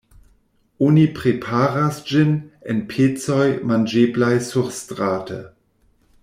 Oni preparas ĝin en pecoj manĝeblaj surstrate.